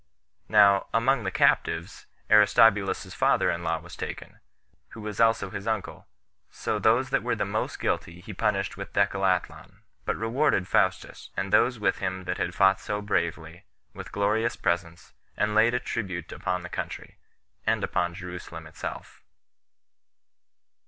Now, among the Captives, Aristobulus's father in law was taken, who was also his uncle: so those that were the most guilty he punished with decollation; but rewarded Faustus, and those with him that had fought so bravely, with glorious presents, and laid a tribute upon the country, and upon Jerusalem itself.